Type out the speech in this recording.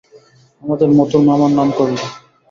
আমাদের মথুর মামার নাম করলে।